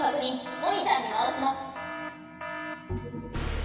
モニターにまわします。